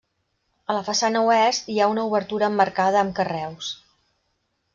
A la façana oest hi ha una obertura emmarcada amb carreus.